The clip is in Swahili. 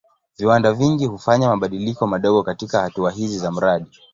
Viwanda vingi hufanya mabadiliko madogo katika hatua hizi za mradi.